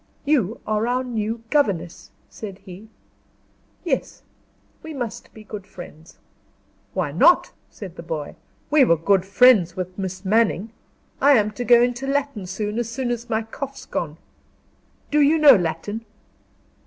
"You are our new governess," said he. "Yes. We must be good friends." "Why not!" said the boy. "We were good friends with Miss Manning. I am to go into Latin soon as soon as my cough's gone. Do you know Latin?"